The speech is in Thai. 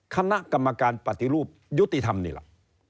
คณะกรรมการปฏิรูปยุติธรรมนี่แหละ